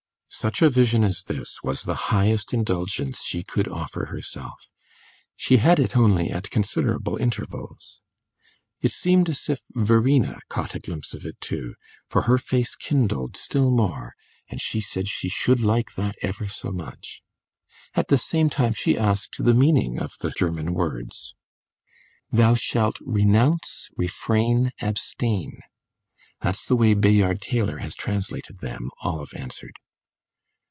Such a vision as this was the highest indulgence she could offer herself; she had it only at considerable intervals. It seemed as if Verena caught a glimpse of it too, for her face kindled still more, and she said she should like that ever so much. At the same time she asked the meaning of the German words. "'Thou shalt renounce, refrain, abstain!' That's the way Bayard Taylor has translated them," Olive answered.